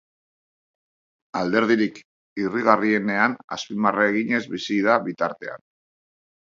Alderdirik irrigarrienean azpimarra eginez bizi da bitartean.